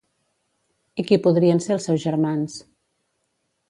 I qui podrien ser els seus germans?